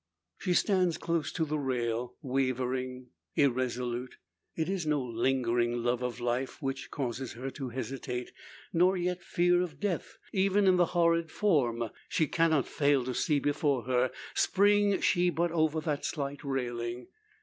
She stands close to the rail, wavering, irresolute. It is no lingering love of life which causes her to hesitate. Nor yet fear of death, even in the horrid form, she cannot fail to see before her, spring she but over that slight railing.